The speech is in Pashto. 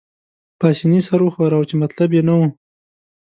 پاسیني سر وښوراوه، چې مطلب يې نه وو.